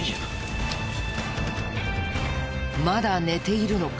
まだ寝ているのか？